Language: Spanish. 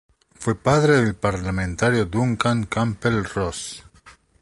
Fue padre del parlamentario Duncan Campbell Ross.